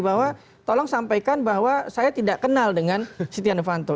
bahwa tolong sampaikan bahwa saya tidak kenal dengan siti ando fanto